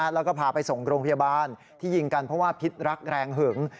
แล้วก็พาไปส่งโรงพยาบาลที่ยิงกันเพราะว่าพิษรักแรงหึง